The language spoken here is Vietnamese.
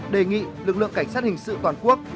đề nghị lực lượng cảnh sát hình sự toàn quốc